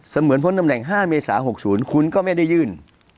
เหมือนพ้นตำแหน่ง๕เมษา๖๐คุณก็ไม่ได้ยื่น